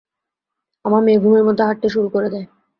আমার মেয়ে ঘুমের মধ্যে হাঁটতে শুরু করে দেয়।